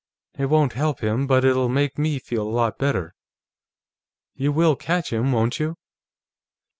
It won't help him, but it'll make me feel a lot better.... You will catch him, won't you?"